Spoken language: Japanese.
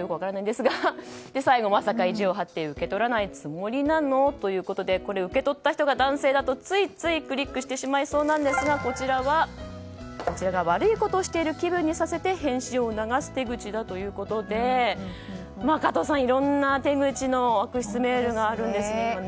よく分からないんですが最後、まさか意地を張って受け取らないつもりなの？ということで受け取った人が男性だとついついクリックしてしまいそうですがこちらに悪いことをしている気分にさせて返信を促す手段だということで加藤さん、いろんな手口の悪質メールがあるんですね。